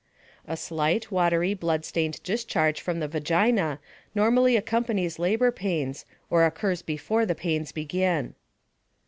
A slight, watery, bloodstained discharge from the vagina normally accompanies labor pains or occurs before the pains begin.